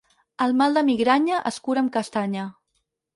El mal de migranya es cura amb castanya.